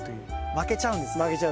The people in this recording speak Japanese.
負けちゃうんですね。